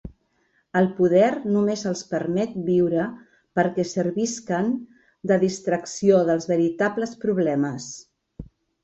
El poder només els permet viure perquè servisquen de distracció dels veritables problemes.